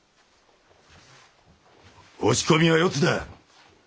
押し込みは四つだ。